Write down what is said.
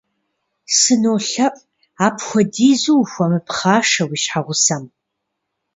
СынолъэӀу, апхуэдизу ухуэмыпхъашэ уи щхьэгъусэм.